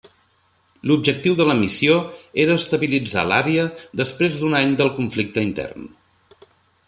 L'objectiu de la missió era estabilitzar l'àrea després d'un any del conflicte intern.